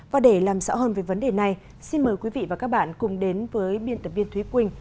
và để làm rõ hơn về vấn đề này xin mời quý vị và các bạn cùng đến với biên tập viên thúy quỳnh